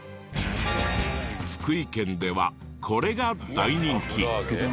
福井県ではこれが大人気。